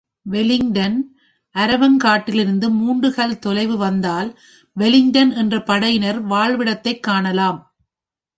Wellington அரவங்காட்டிலிருந்து மூன்று கல் தொலைவு வந்தால் வெல்லிங்டன் என்ற படையினர் வாழ்விடத்தைக் காணலாம்.